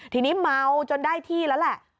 ทีนี้เมาจนได้ที่แล้วแหละ